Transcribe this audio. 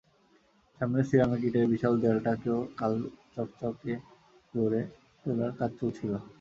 সামনের সিরামিক ইটের বিশাল দেয়ালটাকেও কাল চকচকে করে তোলার কাজ চলছিল।